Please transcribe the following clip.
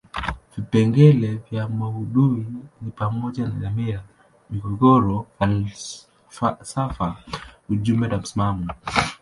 Vipengele vya maudhui ni pamoja na dhamira, migogoro, falsafa ujumbe na msimamo.